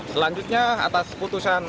selanjutnya atas putusan